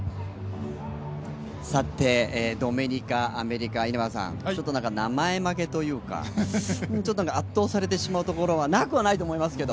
ドミニカ、アメリカ、名前負けというか圧倒されてしまうところはなくはないと思いますけど。